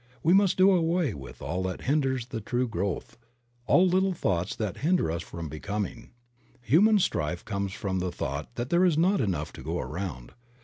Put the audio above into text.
We must do away with all that hinders the true growth, all the little thoughts that hinder us from becoming. Human strife comes from the thought that there is not enough to go around.